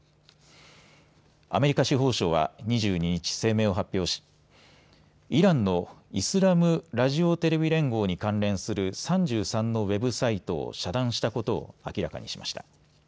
アメリカ司法省は２２日、声明を発表しイランのイスラム・ラジオ・テレビ連合に関連する３３のウェブサイトを遮断したことを明らかにしました。